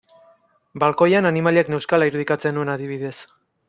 Balkoian animaliak neuzkala irudikatzen nuen adibidez.